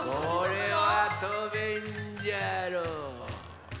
これはとべんじゃろう。